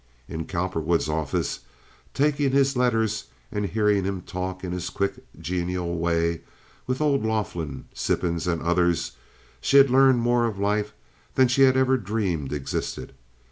In Cowperwood's office, taking his letters and hearing him talk in his quick, genial way with old Laughlin, Sippens, and others, she had learned more of life than she had ever dreamed existed.